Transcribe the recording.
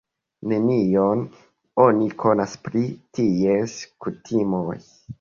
Nenion oni konas pri ties kutimoj.